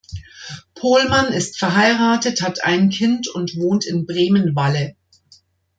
Pohlmann ist verheiratet, hat ein Kind und wohnt in Bremen-Walle.